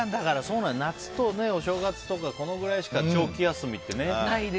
夏とお正月とかこのくらいしか長期休みってね。